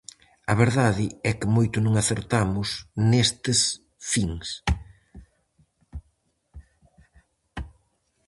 A verdade é que moito non acertamos nestes fins.